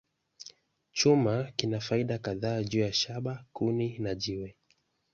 Chuma kina faida kadhaa juu ya shaba, kuni, na jiwe.